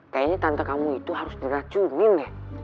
kayaknya tante kamu itu harus diracunin deh